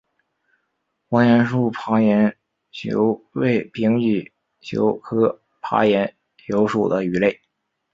黄果树爬岩鳅为平鳍鳅科爬岩鳅属的鱼类。